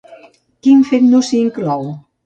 Quin fet no s'hi inclou?